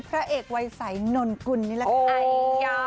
พระเอกวัยสายนนกุลนี่แหละค่ะ